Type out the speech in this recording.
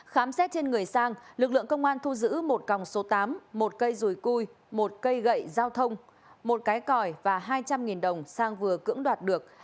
khám xét trên người sang lực lượng công an thu giữ một còng số tám một cây rùi cui một cây gậy giao thông một cái còi và hai trăm linh đồng sang vừa cưỡng đoạt được